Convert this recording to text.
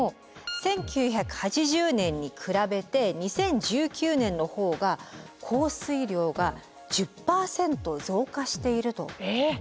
１９８０年に比べて２０１９年の方が降水量が１０％増加しているということなんです。